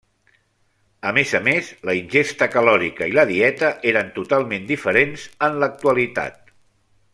A més a més, la ingesta calòrica i la dieta eren totalment diferents en l’actualitat.